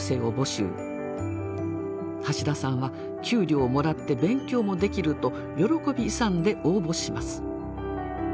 橋田さんは給料をもらって勉強もできると喜び勇んで応募します。